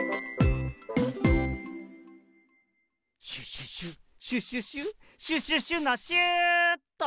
シュシュシュシュシュシュシュシュシュのシューっと！